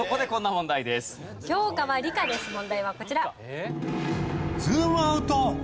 問題はこちら。